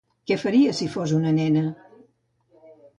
Que faries si fos una nena?